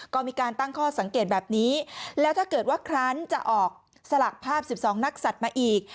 ก็มีการตั้งข้อสังเกตแบบนี้แล้วถ้าเกิดว่าครั้งจะออกสลักภาพ๑๒นักศัตริย์มาอีก